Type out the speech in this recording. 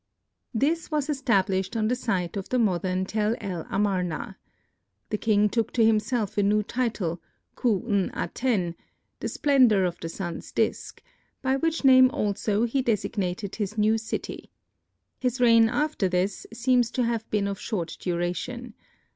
This was established on the site of the modern Tel el Armana. The king took to himself a new title, Khu n Aten, "The Splendor of the Sun's Disc," by which name also he designated his new city. His reign after this seems to have been of short duration.